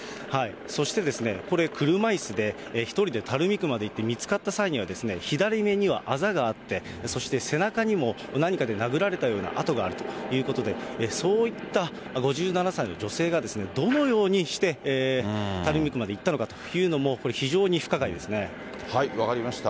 そしてこれ、車いすで１人で垂水区まで行って、見つかった際には、左目にはあざがあって、そして背中にも何かで殴られたような痕があるということで、そういった５７歳の女性が、どのようにして垂水区まで行ったのかというのも、これ、非常に不分かりました。